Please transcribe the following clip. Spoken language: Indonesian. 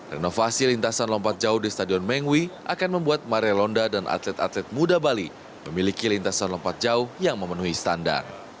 renovasi lintasan lompat jauh di stadion mengwi akan membuat maria londa dan atlet atlet muda bali memiliki lintasan lompat jauh yang memenuhi standar